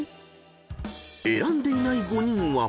［選んでいない５人は］